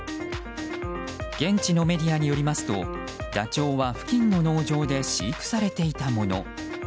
現地のメディアによりますとダチョウは付近の農場で飼育されていたもの。